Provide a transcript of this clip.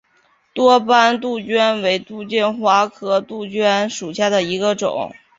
多斑杜鹃为杜鹃花科杜鹃属下的一个种。